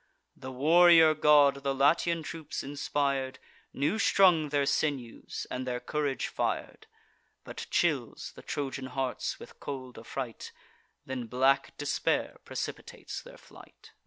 The warrior god the Latian troops inspir'd, New strung their sinews, and their courage fir'd, But chills the Trojan hearts with cold affright: Then black despair precipitates their flight.